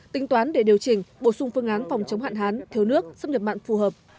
tính toán để điều chỉnh bổ sung phương án phòng chống hạn hán thiếu nước xâm nhập mặn phù hợp